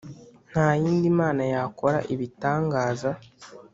Nta yindi mana yakora ibitangaza